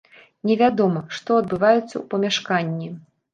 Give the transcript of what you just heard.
Невядома, што адбываецца ў памяшканні.